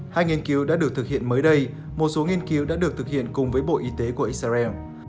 hai nghiên cứu đã được thực hiện mới đây một số nghiên cứu đã được thực hiện cùng với bộ y tế của israel